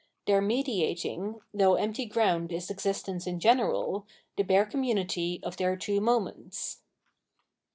Their mediating, though empty ground is existence in general, the bare community of their two moments.